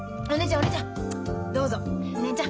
お姉ちゃん。